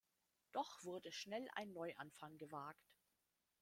Doch wurde schnell ein Neuanfang gewagt.